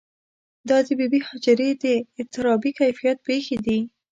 دا د بې بي هاجرې د اضطرابي کیفیت پېښې دي.